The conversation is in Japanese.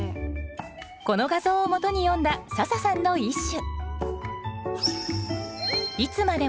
この画像をもとに詠んだ笹さんの一首